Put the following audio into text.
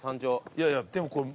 いやいやでもこれ。